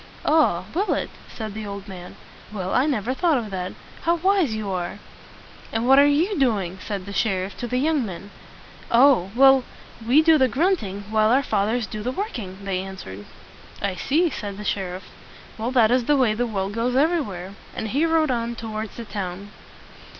"Ah! will it?" said the old man. "Well, I never thought of that. How wise you are!" "And what are you doing?" said the sheriff to the young men. "Oh, we do the grunting while our fathers do the working," they answered. "I see," said the sheriff. "Well, that is the way the world goes every where." And he rode on toward the town.